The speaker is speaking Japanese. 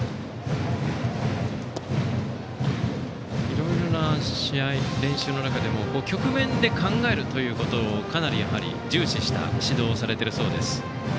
いろいろな試合練習の中でも局面で考えるということをかなり重視した指導をされているそうです。